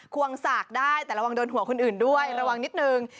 ควงสากได้แต่ระวังโดนหัวคนอื่นด้วยระวังนิดนึง